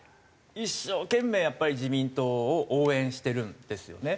一生懸命やっぱり自民党を応援してるんですよね。